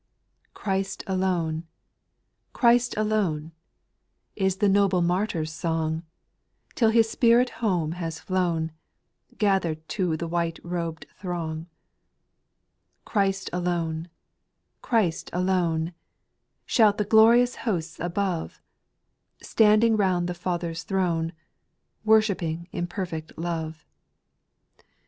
4. Christ alone — Christ alone — Is the noble martyr's song, Till his spirit home has flown, Gather'd to the white robed throng. 6. Christ alone — Christ alone — Shout the glorious hosts above. Standing round the Father's throne, Worshipping in perfect love.